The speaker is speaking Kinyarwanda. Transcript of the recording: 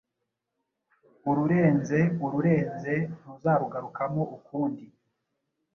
Ururenze ururenze: ntuzarugarukamo ukundi.